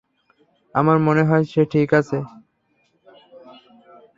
আমার মনে হয় সে ঠিক আছে।